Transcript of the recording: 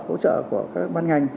hỗ trợ của các ban ngành